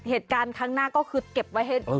เหตุการณ์ข้างหน้าก็คือเก็บไว้แบบมิดทิศ